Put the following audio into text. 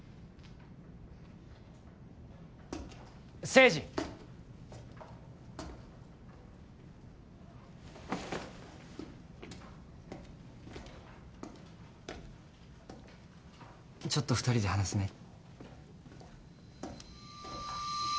誠二ちょっと２人で話せねえ？